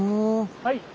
はい。